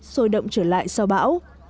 sôi động trở lại sau bão